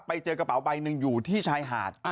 ไปเจอกระเป๋าใบหนึ่งอยู่ที่ชายหาด